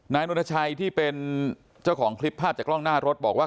นนทชัยที่เป็นเจ้าของคลิปภาพจากกล้องหน้ารถบอกว่า